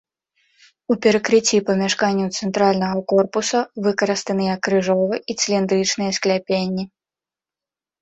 У перакрыцці памяшканняў цэнтральнага корпуса выкарыстаныя крыжовы і цыліндрычныя скляпенні.